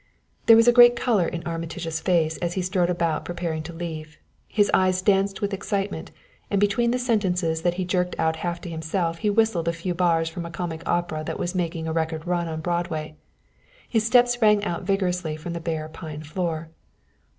There was a great color in Armitage's face as he strode about preparing to leave. His eyes danced with excitement, and between the sentences that he jerked out half to himself he whistled a few bars from a comic opera that was making a record run on Broadway. His steps rang out vigorously from the bare pine floor.